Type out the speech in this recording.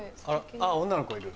あっ女の子いる。